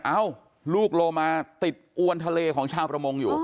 เอ้าลูกโลมาติดอวนทะเลของชาวประมงอยู่